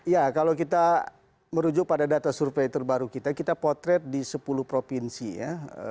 ya kalau kita merujuk pada data survei terbaru kita kita potret di sepuluh provinsi ya